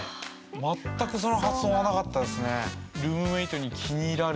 全くその発想はなかったですね。